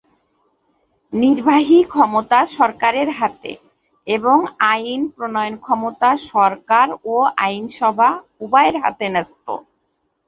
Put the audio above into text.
নির্বাহী ক্ষমতা সরকারের হাতে, এবং আইন প্রণয়ন ক্ষমতা সরকার ও আইনসভা, উভয়ের হাতে ন্যস্ত।